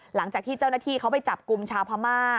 หลังจากที่เจ้าหน้าที่เขาไปจับกลุ่มชาวพม่า